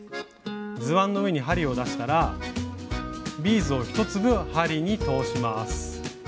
図案の上に針を出したらビーズを１粒針に通します。